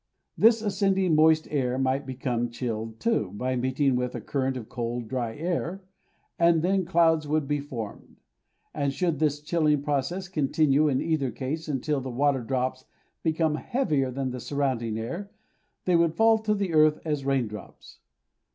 This ascending moist air might become chilled, too, by meeting with a current of cold, dry air, and then clouds would be formed; and should this chilling process continue in either case until the water drops become heavier than the surrounding air, they would fall to the earth as raindrops.